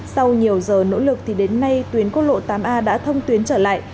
sau nhiều giờ nỗ lực đến nay tuyến quân lộ tám a đã thông tuyến trở lại